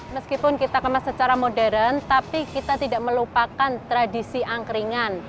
meskipun kita kemas secara modern tapi kita tidak melupakan tradisi angkringan